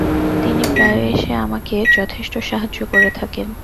তিনি প্রায়ই এসে আমাকে যথেষ্ট সাহায্য করে থাকেন।